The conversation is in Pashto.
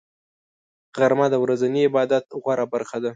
غرمه د ورځني عبادت غوره برخه ده